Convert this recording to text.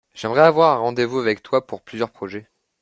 j'aimerais avoir un rendez-vous avec toi pour plusieurs projets.